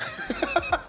ハハハハ！